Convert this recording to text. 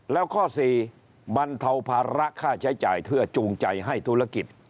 แล้วข้อ๔บรรเทาภาระค่าใช้จ่ายเพื่อจูงใจให้ธุรกิจ